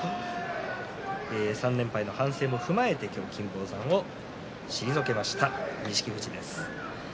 ３連敗の反省を踏まえた金峰山を退けた錦富士です。